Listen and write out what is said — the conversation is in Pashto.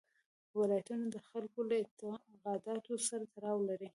ولایتونه د خلکو له اعتقاداتو سره تړاو لري.